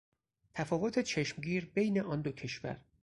تفاوت چشمگیر بین آن دو کشور